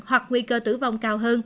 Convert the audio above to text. hoặc nguy cơ tử vong cao hơn